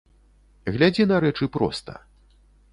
Глядзі на рэчы проста.